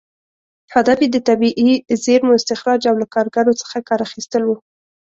هدف یې د طبیعي زېرمو استخراج او له کارګرو څخه کار اخیستل و.